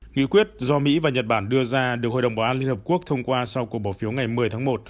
nghị quyết do mỹ và nhật bản đưa ra được hội đồng bảo an liên hợp quốc thông qua sau cuộc bỏ phiếu ngày một mươi tháng một